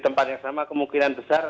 tempat yang sama kemungkinan besar